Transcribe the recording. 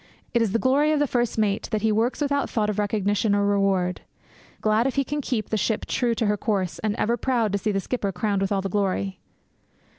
It is the glory of the first mate that he works without thought of recognition or reward; glad if he can keep the ship true to her course; and ever proud to see the skipper crowned with all the glory.